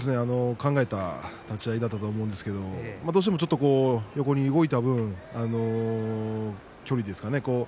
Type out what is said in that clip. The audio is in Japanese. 考えた立ち合いだったと思うんですけれどちょっと横に動いた分距離ですかね。